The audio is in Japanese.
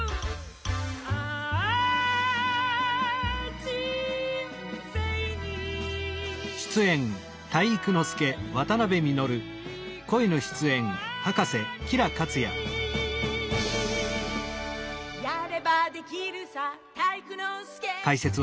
「あぁ、人生に体育あり」「やればできるさ体育ノ介」